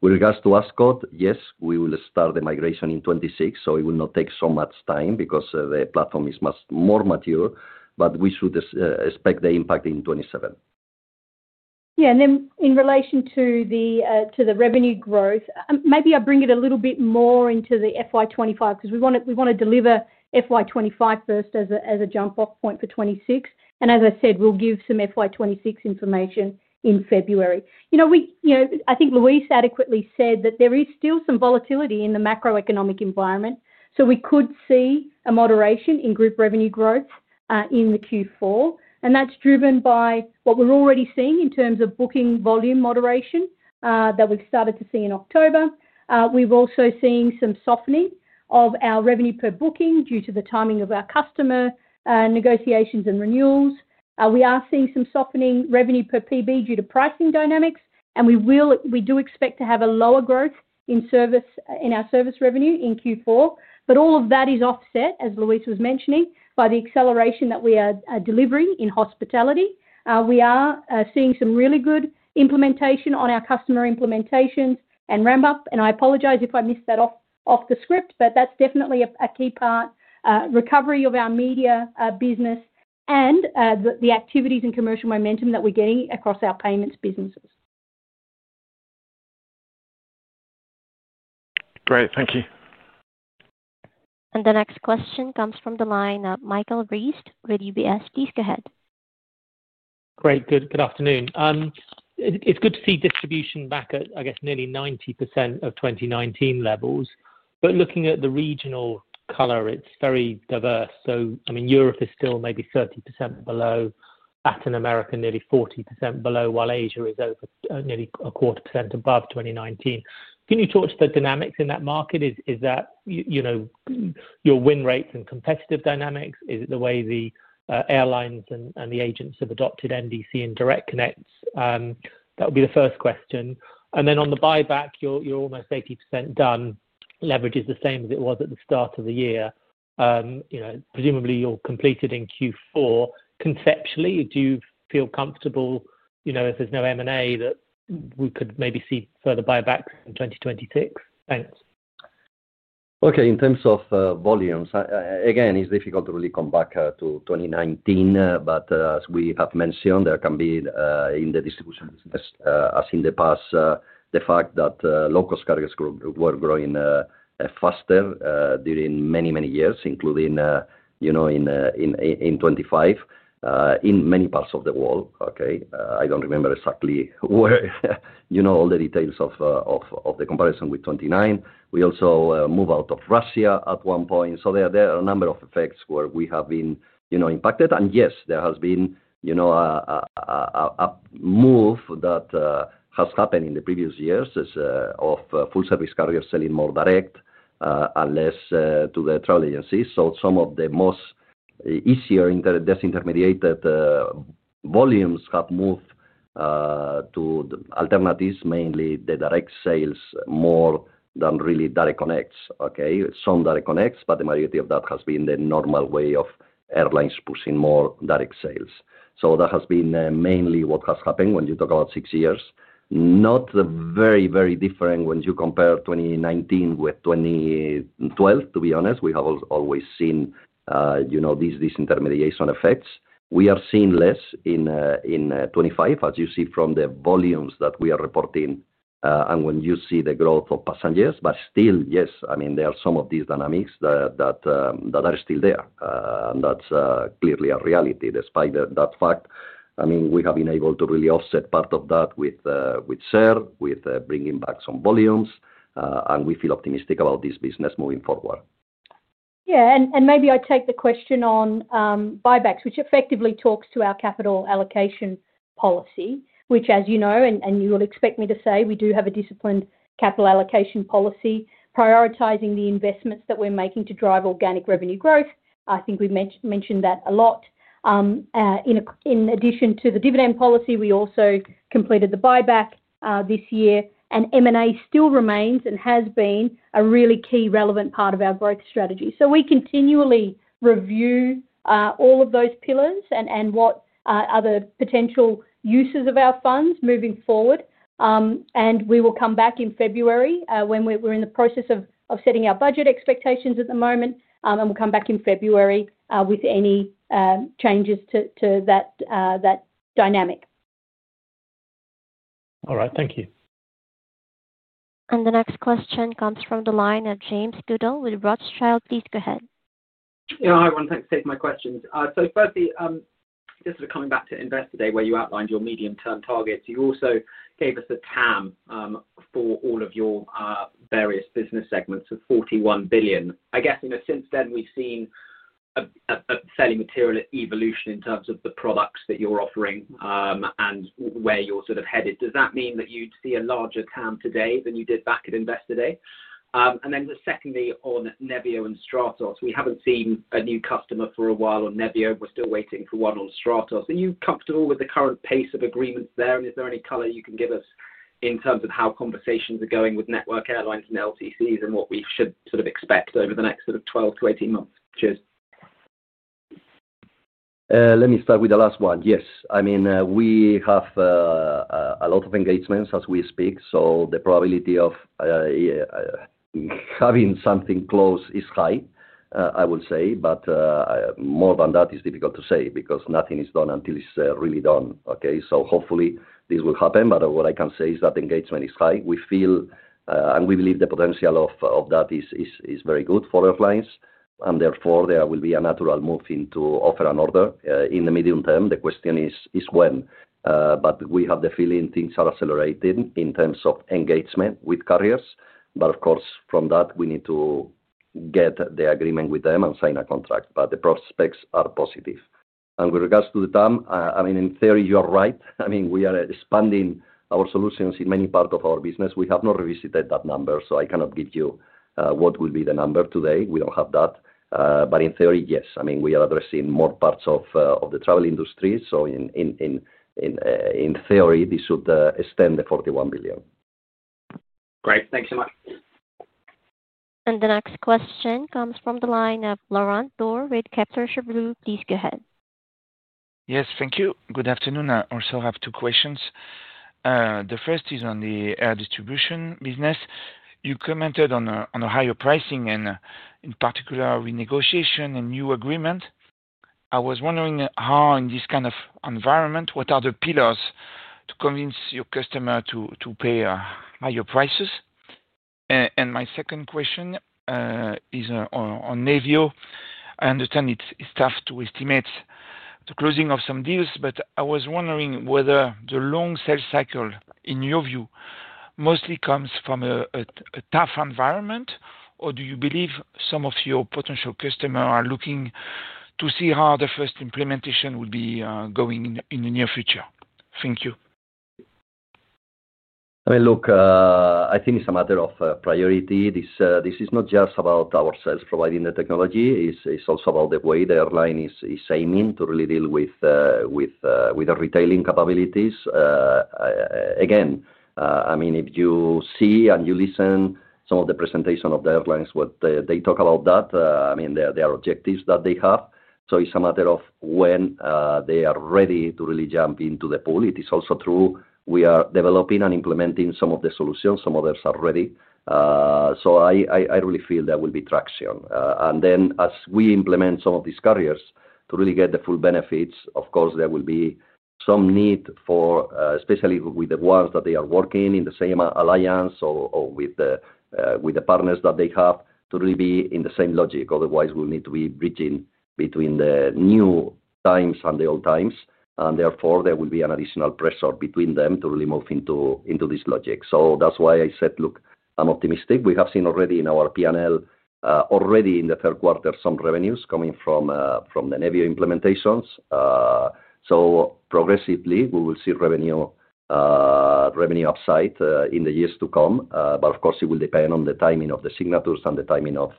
With regards to Ascott, yes, we will start the migration in 2026, so it will not take so much time because the platform is much more mature, but we should expect the impact in 2027. Yeah. In relation to the revenue growth, maybe I bring it a little bit more into the FY2025 because we want to deliver FY2025 first as a jump-off point for 2026. As I said, we'll give some FY2026 information in February. I think Luis adequately said that there is still some volatility in the macroeconomic environment, so we could see a moderation in group revenue growth in Q4. That is driven by what we're already seeing in terms of booking volume moderation that we've started to see in October. We've also seen some softening of our revenue per booking due to the timing of our customer negotiations and renewals. We are seeing some softening revenue per PB due to pricing dynamics, and we do expect to have a lower growth in our service revenue in Q4. All of that is offset, as Luis was mentioning, by the acceleration that we are delivering in hospitality. We are seeing some really good implementation on our customer implementations and ramp-up. I apologize if I missed that off the script, but that's definitely a key part: recovery of our media business and the activities and commercial momentum that we're getting across our payments businesses. Great. Thank you. The next question comes from the line of Michael Briest with UBS. Please go ahead. Great. Good afternoon. It's good to see distribution back at, I guess, nearly 90% of 2019 levels. Looking at the regional color, it's very diverse. I mean, Europe is still maybe 30% below, Latin America nearly 40% below, while Asia is nearly a quarter percent above 2019. Can you talk to the dynamics in that market? Is that your win rates and competitive dynamics? Is it the way the airlines and the agents have adopted NDC and direct connects? That would be the first question. On the buyback, you're almost 80% done. Leverage is the same as it was at the start of the year. Presumably, you'll complete it in Q4. Conceptually, do you feel comfortable if there's no M&A that we could maybe see further buybacks in 2026? Thanks. In terms of volumes, again, it's difficult to really come back to 2019. As we have mentioned, there can be in the distribution business, as in the past, the fact that low-cost carriers were growing faster during many, many years, including in 2025 in many parts of the world. I don't remember exactly all the details of the comparison with 2019. We also moved out of Russia at one point. There are a number of effects where we have been impacted. Yes, there has been a move that has happened in the previous years of full-service carriers selling more direct and less to the travel agencies. Some of the most easier intermediated volumes have moved to alternatives, mainly the direct sales more than really direct connects. Okay, some direct connects, but the majority of that has been the normal way of airlines pushing more direct sales. That has been mainly what has happened when you talk about six years. Not very, very different when you compare 2019 with 2012, to be honest. We have always seen these disintermediation effects. We are seeing less in 2025, as you see from the volumes that we are reporting and when you see the growth of passengers. Yes, I mean, there are some of these dynamics that are still there. That's clearly a reality despite that fact. I mean, we have been able to really offset part of that with CER, with bringing back some volumes. We feel optimistic about this business moving forward. Yeah. Maybe I take the question on buybacks, which effectively talks to our capital allocation policy, which, as you know, and you would expect me to say, we do have a disciplined capital allocation policy prioritizing the investments that we're making to drive organic revenue growth. I think we mentioned that a lot. In addition to the dividend policy, we also completed the buyback this year. M&A still remains and has been a really key relevant part of our growth strategy. We continually review all of those pillars and what other potential uses of our funds moving forward. We will come back in February when we're in the process of setting our budget expectations at the moment. We will come back in February with any changes to that dynamic. All right. Thank you. The next question comes from the line of James Goodall with Rothschild. Please go ahead. Hi, I want to take my questions. Firstly, just sort of coming back to Investor Day where you outlined your medium-term targets, you also gave us a TAM for all of your various business segments of 41 billion. I guess since then, we've seen a fairly material evolution in terms of the products that you're offering and where you're sort of headed. Does that mean that you'd see a larger TAM today than you did back at Investor Day? Secondly, on Nevio and Stratos, we haven't seen a new customer for a while on Nevio. We're still waiting for one on Stratos. Are you comfortable with the current pace of agreements there? Is there any color you can give us in terms of how conversations are going with network airlines and LTCs and what we should sort of expect over the next 12-18 months? Cheers. Let me start with the last one. Yes. I mean, we have a lot of engagements as we speak. The probability of having something close is high, I will say. More than that, it's difficult to say because nothing is done until it's really done. Okay. Hopefully, this will happen. What I can say is that engagement is high. We feel and we believe the potential of that is very good for airlines. Therefore, there will be a natural move to offer and order in the medium term. The question is when. We have the feeling things are accelerating in terms of engagement with carriers. Of course, from that, we need to get the agreement with them and sign a contract. The prospects are positive. With regards to the TAM, I mean, in theory, you're right. I mean, we are expanding our solutions in many parts of our business. We have not revisited that number, so I cannot give you what would be the number today. We do not have that. In theory, yes. I mean, we are addressing more parts of the travel industry. In theory, this should extend the 41 billion. Great. Thanks so much. The next question comes from the line of Laurent Daure with Kepler Cheuvreux. Please go ahead. Yes. Thank you. Good afternoon. I also have two questions. The first is on the Air Distribution business. You commented on higher pricing and, in particular, renegotiation and new agreements. I was wondering how, in this kind of environment, what are the pillars to convince your customer to pay higher prices? My second question is on Nevio. I understand it's tough to estimate the closing of some deals, but I was wondering whether the long sales cycle, in your view, mostly comes from a tough environment, or do you believe some of your potential customers are looking to see how the first implementation would be going in the near future? Thank you. I mean, look, I think it's a matter of priority. This is not just about ourselves providing the technology. It's also about the way the airline is aiming to really deal with the retailing capabilities. Again, I mean, if you see and you listen to some of the presentations of the airlines, what they talk about, I mean, their objectives that they have. It's a matter of when they are ready to really jump into the pool. It is also true we are developing and implementing some of the solutions. Some others are ready. I really feel there will be traction. As we implement some of these carriers to really get the full benefits, of course, there will be some need for, especially with the ones that they are working in the same alliance or with the partners that they have, to really be in the same logic. Otherwise, we'll need to be bridging between the new times and the old times. Therefore, there will be an additional pressure between them to really move into this logic. That's why I said, "Look, I'm optimistic." We have seen already in our P&L, already in the third quarter, some revenues coming from the Nevio implementations. Progressively, we will see revenue upside in the years to come. Of course, it will depend on the timing of the signatures and the timing of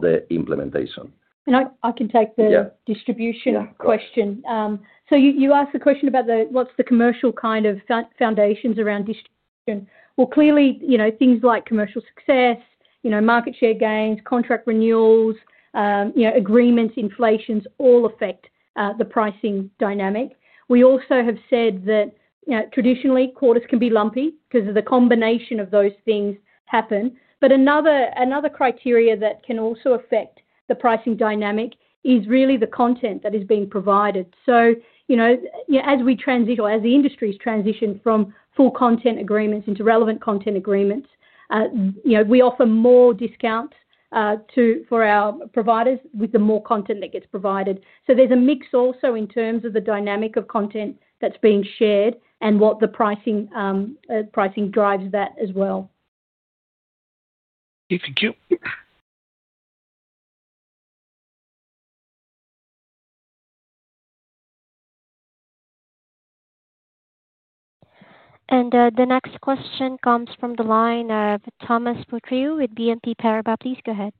the implementation. I can take the Distribution question. You asked the question about what's the commercial kind of foundations around distribution. Clearly, things like commercial success, market share gains, contract renewals, agreements, inflations all affect the pricing dynamic. We also have said that traditionally, quarters can be lumpy because of the combination of those things happen. Another criteria that can also affect the pricing dynamic is really the content that is being provided. As the industry's transitioned from full content agreements into relevant content agreements, we offer more discounts for our providers with the more content that gets provided. There is a mix also in terms of the dynamic of content that's being shared and what the pricing drives that as well. Thank you. Thank you. The next question comes from the line of Thomas Poutrieux with BNP Paribas. Please go ahead.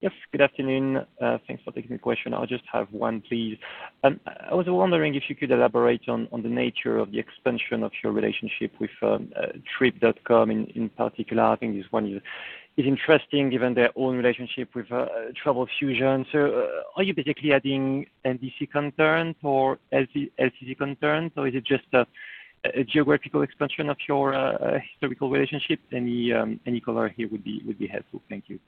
Yes. Good afternoon. Thanks for taking the question. I'll just have one, please. I was wondering if you could elaborate on the nature of the expansion of your relationship with Trip.com in particular. I think this one is interesting given their own relationship with Travelfusion. Are you basically adding NDC concerns or LTC concerns, or is it just a geoGarvical expansion of your historical relationship? Any color here would be helpful. Thank you.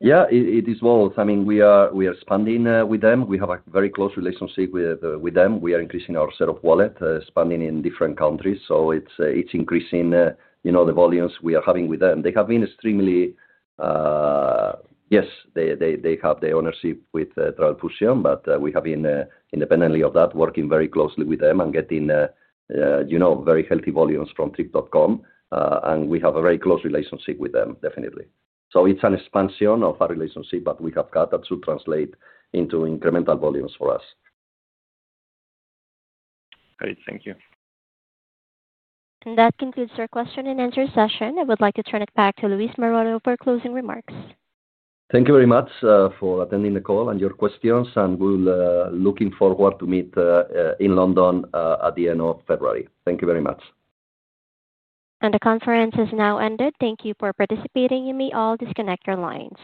Yeah. It is both. I mean, we are expanding with them. We have a very close relationship with them. We are increasing our set of wallets, expanding in different countries. It is increasing the volumes we are having with them. They have been extremely, yes, they have the ownership with Travelfusion, but we have been, independently of that, working very closely with them and getting very healthy volumes from Trip.com. We have a very close relationship with them, definitely. It is an expansion of our relationship, but we have got that to translate into incremental volumes for us. Great. Thank you. That concludes our question and answer session. I would like to turn it back to Luis Maroto for closing remarks. Thank you very much for attending the call and your questions. We will be looking forward to meeting in London at the end of February. Thank you very much. The conference has now ended. Thank you for participating. You may all disconnect your lines.